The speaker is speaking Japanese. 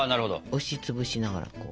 押し潰しながら。